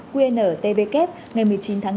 qntbk ngày một mươi chín tháng năm